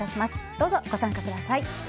どうぞご参加ください。